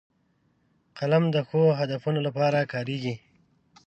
قلم د ښو هدفونو لپاره کارېږي